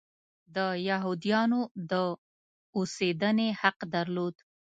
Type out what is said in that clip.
د یهودیانو د اوسېدنې حق درلود.